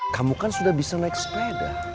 kamu kan sudah bisa naik sepeda